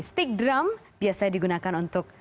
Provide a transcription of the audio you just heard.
stick drum biasanya digunakan untuk